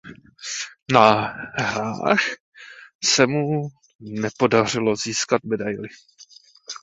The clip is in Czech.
Na hrách se mu nepodařilo získat medaili.